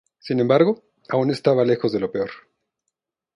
Sin embargo, aún se estaba lejos de lo peor.